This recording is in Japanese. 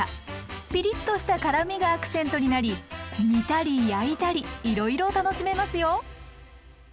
ピリッとした辛みがアクセントになり煮たり焼いたりいろいろ楽しめますよ。